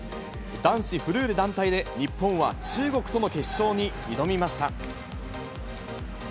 男子フルーレ団体で、日本は中国との決勝に挑みました。